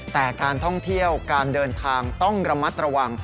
แต่การท่องเที่ยวการเดินทางต้องระมัดระวัง